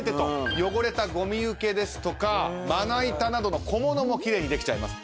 汚れたゴミ受けですとかまな板などの小物も奇麗にできちゃいます。